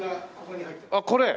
あっこれ！